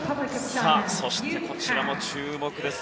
そして、こちらも注目です。